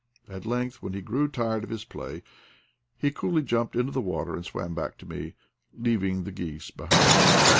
At length, when he grew tired of his play, he coolly jumped into the water and swam back to me, leaving the geese behind.